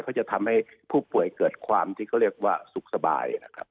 จะทำให้ผู้ป่วยเกิดความที่เขาเรียกว่าสุขสบายนะครับ